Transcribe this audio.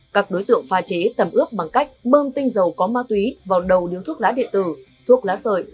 các đối tượng pha chế tầm ướp bằng cách bơm tinh dầu có ma túy vào đầu điếu thuốc lá điện tử thuốc lá sợi